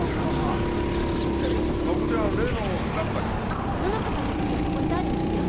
あっ野中さんの机に置いてありますよ。